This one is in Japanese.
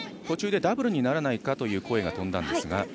途中でダブルにならないかという声が飛んだんですが。